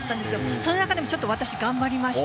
その中でもちょっと、私、頑張りました。